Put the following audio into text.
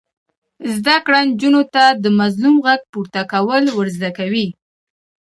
زده کړه نجونو ته د مظلوم غږ پورته کول ور زده کوي.